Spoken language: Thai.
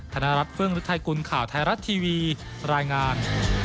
ธนรัฐเฟื่องฤทัยกุลข่าวไทยรัฐทีวีรายงาน